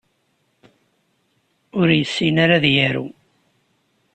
Ur yessin ara ad yaru.